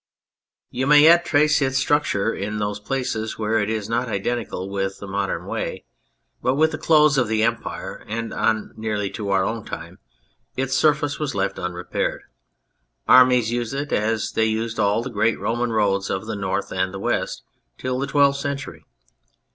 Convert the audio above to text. You may yet trace its 260 The New Road structure in those places where it is not identical with the modern way, but with the close of the Empire, and on nearly to our own time its surface was left unrepaired. Armies used it, as they used all the great Roman roads of the north and west, till the Twelfth Century.